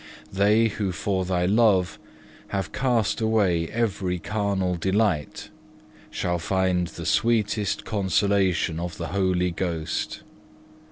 They who for Thy love have cast away every carnal delight shall find the sweetest consolation of the Holy Ghost.